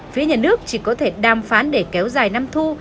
phía nhà nước chỉ có thể đàm phán để kéo dài năm thu